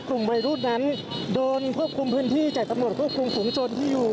กลุ่มวัยรุ่นนั้นโดนควบคุมพื้นที่จากตำรวจควบคุมฝุงชนที่อยู่